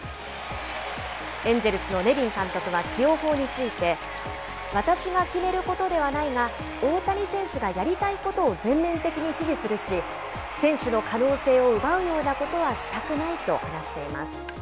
エンジェルスのネビン監督は起用法について、私が決めることではないが、大谷選手がやりたいことを全面的に支持するし、選手の可能性を奪うようなことはしたくないと話しています。